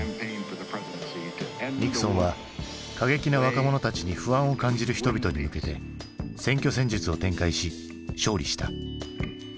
ニクソンは過激な若者たちに不安を感じる人々に向けて選挙戦術を展開し勝利した。